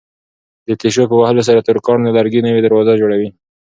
د تېشو په وهلو سره ترکاڼ د لرګي نوې دروازه جوړوي.